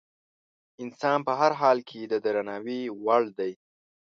انسان په هر حال کې د درناوي وړ دی.